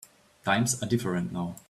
Times are different now.